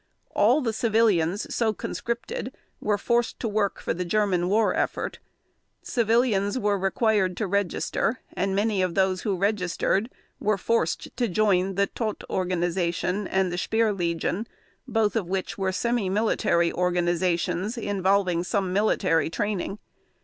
All the civilians so conscripted were forced to work for the German war effort. Civilians were required to register and many of those who registered were forced to join the Todt Organization and the Speer Legion, both of which were semi military organizations involving some military training.